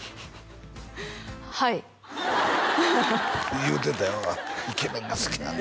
はい言うてたよ「イケメンが好きなんです」